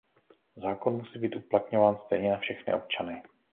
Zákon musí být uplatňován stejně na všechny občany.